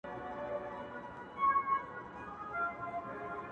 خانه ستا او د عُمرې یې سره څه-